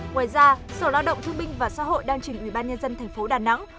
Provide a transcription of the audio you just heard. ngoài ra sở lao động thương binh và xã hội đang chỉnh ủy ban nhân dân tp đà nẵng